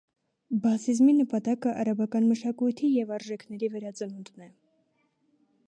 Բաասիզմի նպատակը արաբական մշակույթի և արժեքների վերածնունդն է։